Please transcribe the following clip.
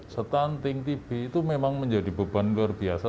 stunting tb itu memang menjadi beban luar biasa